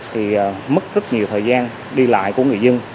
thì mất rất nhiều thời gian đi lại của người dân